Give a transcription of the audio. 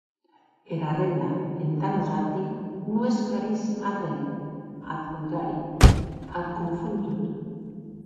Era renda, entà nosati, non esclarís arren; ath contrari, ac confon tot.